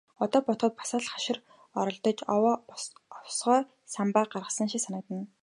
Одоо бодоход бас ч хашир оролдож, овоо овсгоо самбаа гаргасан шиг санагдана.